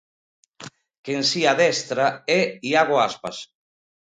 Quen si adestra é Iago Aspas.